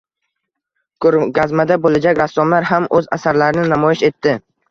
Ko‘rgazmada bo‘lajak rassomlar ham o‘z asarlarini namoyish etdi